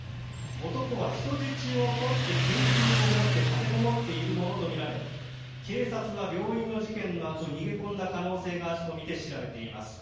男は人質をとって拳銃を持って立てこもっているものとみられ警察は、病院の事件のあと逃げ込んだ可能性があるとみて調べています。